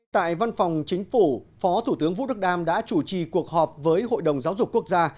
tại văn phòng chính phủ phó thủ tướng vũ đức đam đã chủ trì cuộc họp với hội đồng giáo dục quốc gia